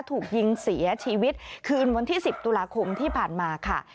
ถูกยิงเสียชีวิตคืนวันที่๑๐ตุลาคมที่ผ่านมาค่ะ